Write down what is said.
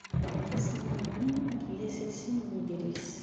Ifassen-nwen am tgasasin n ugris.